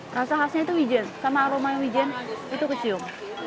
rasa khasnya itu wijen sama aroma wijen itu kesium